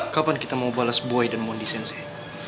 kapan kita mau balas boy dan mondi sensei